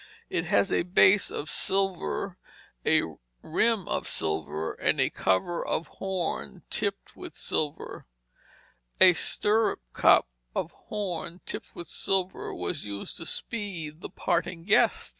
It has a base of silver, a rim of silver, and a cover of horn tipped with silver. A stirrup cup of horn, tipped with silver, was used to "speed the parting guest."